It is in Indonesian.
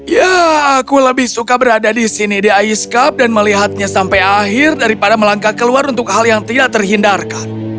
ya aku lebih suka berada di sini di ice cup dan melihatnya sampai akhir daripada melangkah keluar untuk hal yang tidak terhindarkan